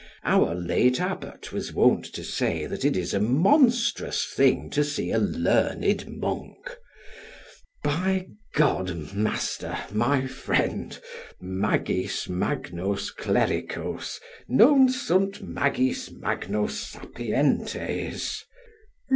Our late abbot was wont to say that it is a monstrous thing to see a learned monk. By G , master, my friend, Magis magnos clericos non sunt magis magnos sapientes.